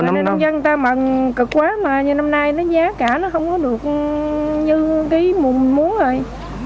nên nông dân người ta mận cực quá mà năm nay nó giá cả nó không có được như cái mùa mình muốn rồi